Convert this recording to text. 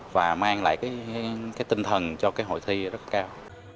và mang lại cái tinh thần cho cái hội thi rất cao